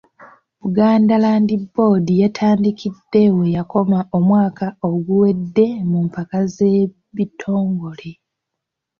Buganda Land Board yatandikidde we yakoma omwaka oguwedde mu mpaka z'ebitongole.